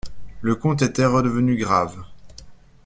Le comte était redevenu grave.